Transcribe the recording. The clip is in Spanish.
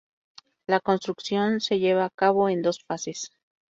La construcción se lleva a cabo en dos fases.